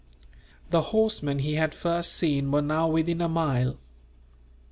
The horsemen he had first seen were now within a mile.